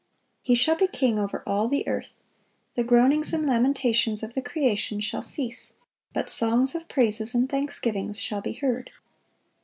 He shall be king over all the earth. The groanings and lamentations of the creation shall cease, but songs of praises and thanksgivings shall be heard....